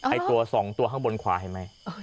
ไอ้ตัว๒ตัวข้างบนขวาเห็นไหม